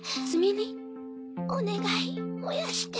お願い燃やして。